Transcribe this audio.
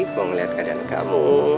mau ngeliat keadaan kamu